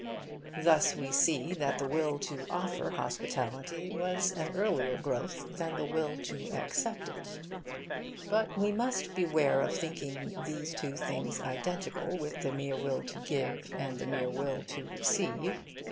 Thus we see that the will to offer hospitality was an earlier growth than the will to accept it. But we must beware of thinking these two things identical with the mere will to give and the mere will to receive.